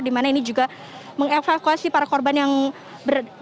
di mana ini juga mengevakuasi para korban yang berada